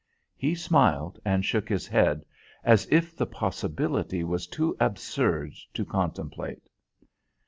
He smiled and shook his head, as if the possibility was too absurd to contemplate.